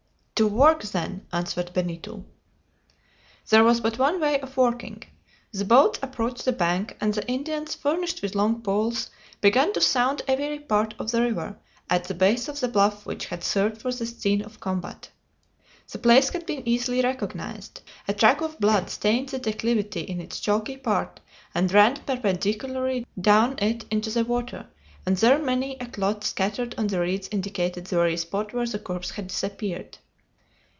"To work, then!" answered Benito. There was but one way of working. The boats approached the bank, and the Indians, furnished with long poles, began to sound every part of the river at the base of the bluff which had served for the scene of combat. The place had been easily recognized. A track of blood stained the declivity in its chalky part, and ran perpendicularly down it into the water; and there many a clot scattered on the reeds indicated the very spot where the corpse had disappeared.